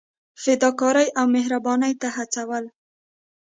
فدا کارۍ او مهربانۍ ته هڅول.